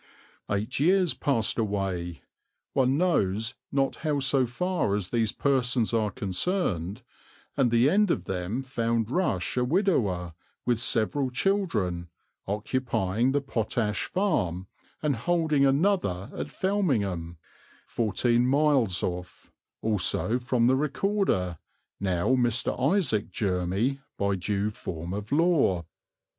Eight years passed away, one knows not how so far as these persons are concerned, and the end of them found Rush a widower, with several children, occupying the Potash Farm and holding another at Felmingham, fourteen miles off, also from the Recorder, now Mr. Isaac Jermy, by due form of law.